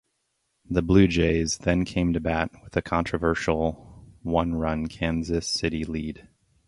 The Blue Jays then came to bat with a controversial one-run Kansas City lead.